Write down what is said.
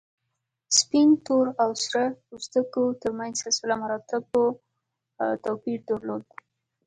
سپین، تور او سره پوستو تر منځ سلسله مراتبو توپیر درلود.